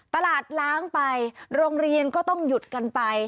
ตลาดล้างไปโรงเรียนก็ต้องหยุดกันไป